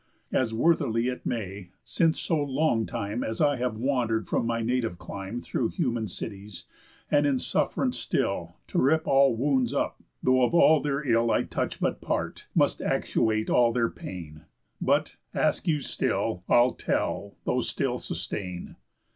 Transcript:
As worthily it may, since so long time As I have wander'd from my native clime, Through human cities, and in suff'rance still, To rip all wounds up, though of all their ill I touch but part, must actuate all their pain. But, ask you still, I'll tell, though still sustain.